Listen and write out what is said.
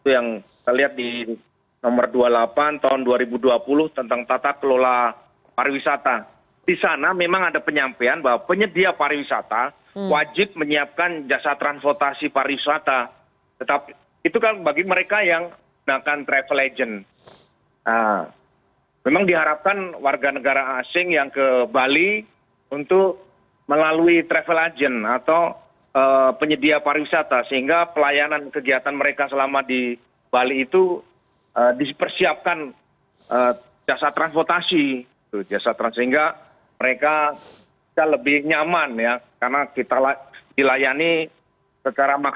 yang diberirier beberi publik